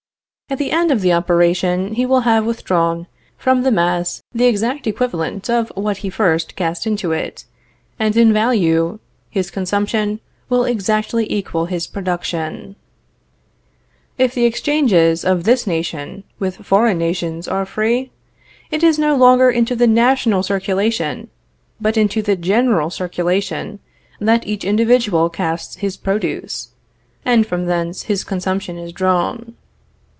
At the end of the operation, he will have withdrawn from the mass the exact equivalent of what he first cast into it, and in value, his consumption will exactly equal his production. If the exchanges of this nation with foreign nations are free, it is no longer into the national circulation but into the general circulation that each individual casts his produce, and from thence his consumption is drawn.